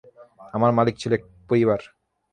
আমার মালিক ছিল একটা পরিবার।